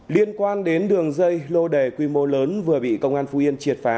liên quan đến đường dây lô đề quy mô lớn vừa bị công an phú yên triệt phá